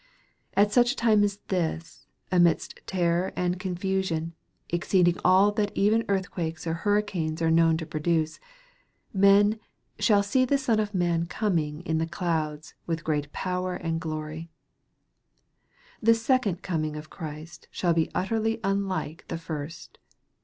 At such a time as this, amidst terror and confusion, exceeding all that even earthquakes or hurricanes are known to pro duce, men "shall see the Son of Man coming in the clouds with great power and glory/' The second coming of Christ shall be utterly unlike the first.